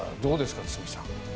どうですか、堤さん。